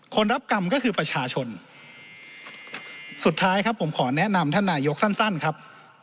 รับกรรมก็คือประชาชนสุดท้ายครับผมขอแนะนำท่านนายกสั้นครับ